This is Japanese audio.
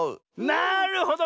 なるほど。